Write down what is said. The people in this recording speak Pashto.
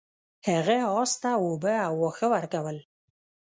هغه اس ته اوبه او واښه ورکول.